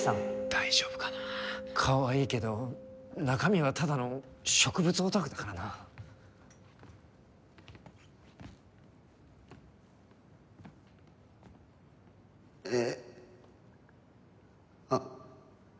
大丈夫かな顔はいいけど中身はただの植物オタクだからなえあ